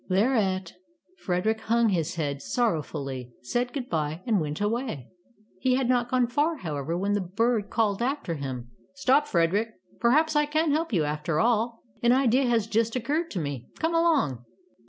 '' Thereat Frederick hung his head sorrow fully, said good bye, and went away. He had not gone far, however, when the bird 82 Tales of Modern Germany called after him: ''Stop, Frederick, perhaps I can help you, after all. An idea has just occurred to me. Come along.